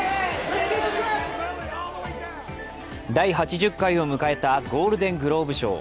第８０回を迎えたゴールデン・グローブ賞。